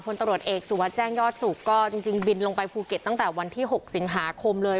ตำรวจเอกสุวัสดิแจ้งยอดสุขก็จริงบินลงไปภูเก็ตตั้งแต่วันที่๖สิงหาคมเลย